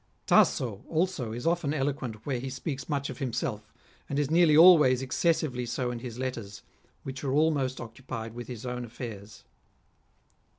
Tasso also is often eloquent where he speaks much of himself, and is nearly always exces sively so in his letters, which are almost occupied with his own affairs.